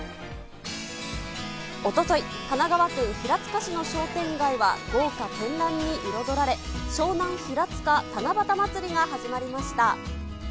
おととい、神奈川県平塚市の商店街は、豪華けんらんに彩られ、湘南ひらつか七夕まつりが始まりました。